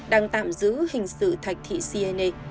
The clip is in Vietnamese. đang tạm giữ hình sự thạch thị siene